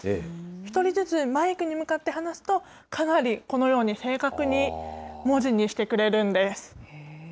１人ずつマイクに向かって話すと、かなりこのように正確に文字にしてくれるんです。